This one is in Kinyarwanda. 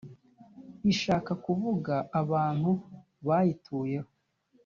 ishaka kuvuga abantu bayituyeho.